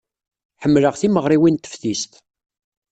Ḥemmleɣ timeɣriwin n teftist.